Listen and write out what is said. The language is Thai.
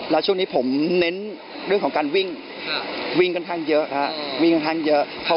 แล้วช่วงนี้ผมเน้นเรื่องของการวิ่งวิ่งกันค่อนข้างเยอะครับ